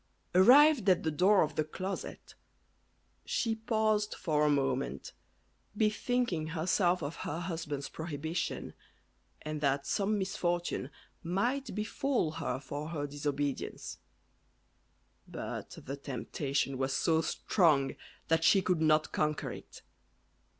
Arrived at the door of the closet, she paused for a moment, bethinking herself of her husband's prohibition, and that some misfortune might befall her for her disobedience; but the temptation was so strong that she could not conquer it.